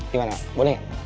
gimana boleh ya